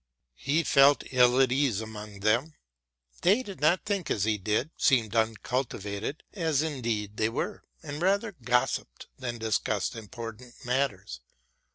He felt ill at ease among them. They did not think as he did, seemed uncultivated, as indeed they were, and rather gossiped than discussed important matters.